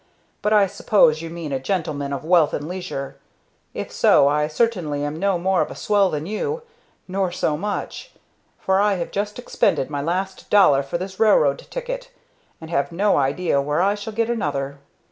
"But I suppose you mean a gentleman of wealth and leisure. If so, I certainly am no more of a swell than you, nor so much, for I have just expended my last dollar for this railroad ticket, and have no idea where I shall get another.